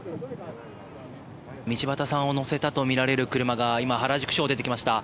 道端さんを乗せたとみられる車が今、原宿署を出てきました。